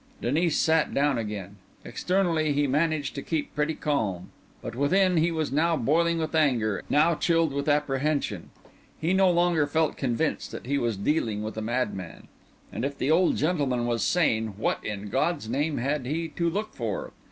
Denis sat down again. Externally he managed to keep pretty calm; but within, he was now boiling with anger, now chilled with apprehension. He no longer felt convinced that he was dealing with a madman. And if the old gentleman was sane, what, in God's name, had he to look for?